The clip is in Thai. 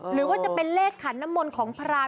หรือว่าจะเป็นเลขขานมลของพราม